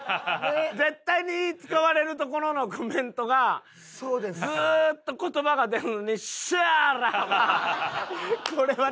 絶対に使われるところのコメントがずっと言葉が出んのに「シャーォラ！」は。